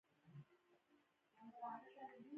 بادي انرژي د افغانستان د ښاري پراختیا یو لوی سبب کېږي.